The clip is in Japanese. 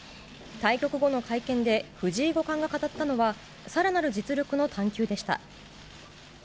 対局後の会見で藤井五冠が語ったのは、さらなる実力の探求でした。